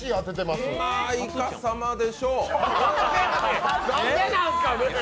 まあ、いかさまでしょう。